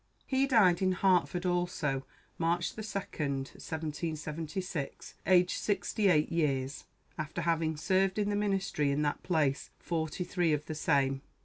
He died in Hartford also, March 2, 1776, aged sixty eight years, after having served in the ministry in that place forty three of the same.